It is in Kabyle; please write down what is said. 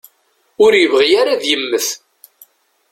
Ur yebɣi ara ad yemmet.